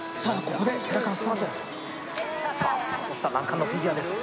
ここで寺川スタートさあスタートした難関のフィギュアです